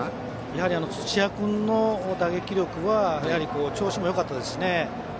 やはり土屋君の打撃力は調子もよかったですしね。